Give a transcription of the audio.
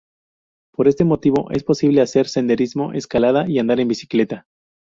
Por este motivo, es posible hacer senderismo, escalada y andar en bicicleta.